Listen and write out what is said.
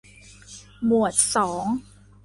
หมวดสอง